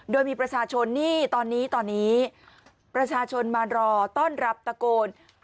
โดยมีประชาชนนี่ตอนนี้ประชาชนมารอต้อนรับตะโกน